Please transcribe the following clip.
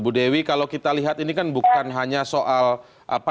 bu dewi kalau kita lihat ini kan bukan hanya soal apa